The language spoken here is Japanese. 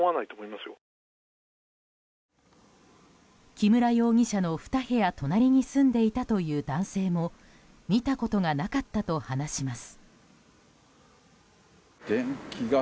木村容疑者の２部屋隣に住んでいたという男性も見たことがなかったと話します。